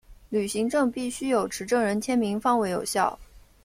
旅行证必须有持证人签名方为有效。